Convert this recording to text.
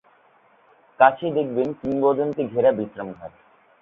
কাছেই দেখবেন কিংবদন্তি ঘেরা বিশ্রামঘাট।